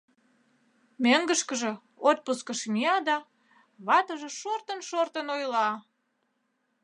Мӧҥгышкыжӧ отпускыш мия да, ватыже шортын-шортын ойла: